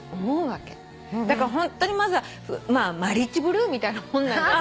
だからホントにまずはマリッジブルーみたいなもんなんじゃ。